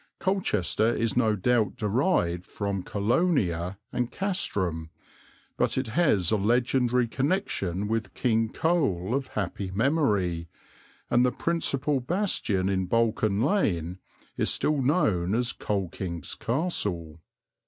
Colchester is no doubt derived from Colonia and castrum, but it has a legendary connection with King Cole of happy memory, and the principal bastion in Balcon Lane is still known as Colking's Castle.